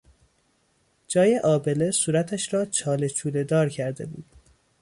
جای آبله صورتش را چاله چوله دار کرده بود.